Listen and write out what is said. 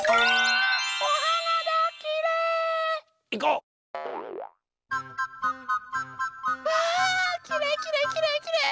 うわきれいきれいきれいきれい。